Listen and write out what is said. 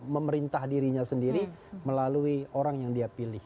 memerintah dirinya sendiri melalui orang yang dia pilih